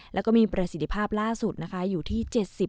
และมีประสิทธิภาพล่าสุดอยู่ที่๗๐